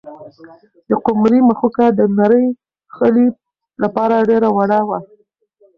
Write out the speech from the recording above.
د قمرۍ مښوکه د نري خلي لپاره ډېره وړه وه.